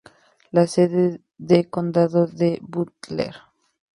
La sede de condado es Butler.